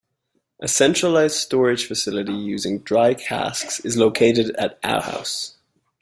A centralized storage facility using dry casks is located at Ahaus.